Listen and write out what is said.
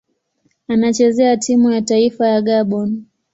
Anachezea timu ya taifa ya Gabon.